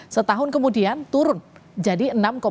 setahun kemudian turun jadi enam tujuh